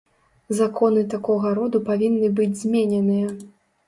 Законы такога роду павінны быць змененыя.